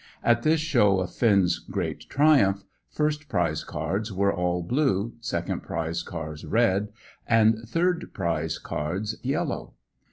At this show of Finn's great triumph, first prize cards were all blue, second prize cards red, and third prize cards yellow.